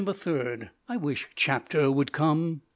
I wish Chapter would come.